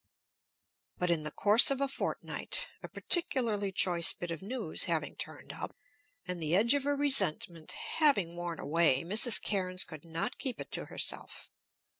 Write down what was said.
But in the course of a fortnight, a particularly choice bit of news having turned up, and the edge of her resentment having worn away, Mrs. Cairnes could not keep it to herself.